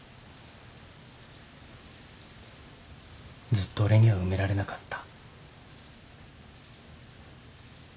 ずっと俺には埋められなかった。